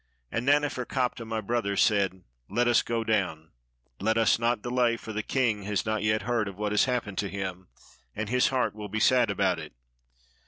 And Naneferkaptah, my brother, said, "Let us go down, let us not delay, for the king has not yet heard of what has happened to him, and his heart will be sad about it."